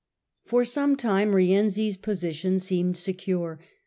For some time Rienzi's position seemed secure.